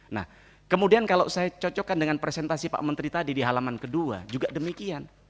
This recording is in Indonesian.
nah kemudian kalau saya cocokkan dengan presentasi pak menteri tadi di halaman kedua juga demikian